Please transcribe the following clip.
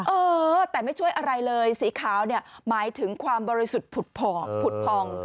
เออแต่ไม่ช่วยอะไรเลยสีขาวเนี่ยหมายถึงความบริสุทธิ์ผุดผ่องผุดพอง